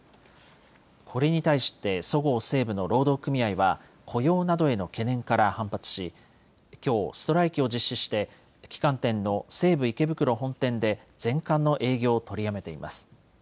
これに対してそごう・西武の労働組合は雇用などへの懸念から反発し、きょうストライキを実施して旗艦店の西武池袋本店で全館の営業を取りやめています。